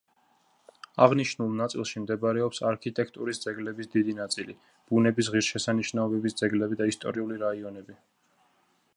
აღნიშნულ ნაწილში მდებარეობს არქიტექტურის ძეგლების დიდი ნაწილი, ბუნების ღირსშესანიშნაობების ძეგლები და ისტორიული რაიონები.